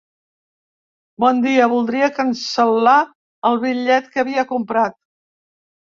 Bon dia, voldria cancel·lar el bitllet que havia comprat.